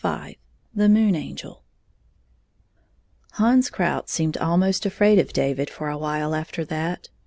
30 V The Moon Angel HANS KROUT seemed almost afraid of David for a while after that.